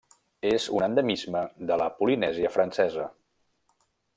És un endemisme de la Polinèsia Francesa.